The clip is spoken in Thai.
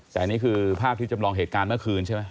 แต่นี่คือภาพที่จำลองเหตุการณ์เมื่อคืนใช่ไหม